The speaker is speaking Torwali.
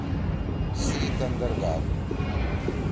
سی تندر گاد۔